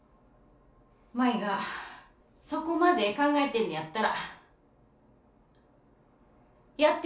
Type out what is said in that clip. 舞がそこまで考えてんねやったらやってみ。